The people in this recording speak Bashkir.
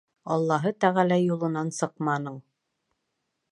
Аллаһы Тәғәлә юлынан сыҡманың.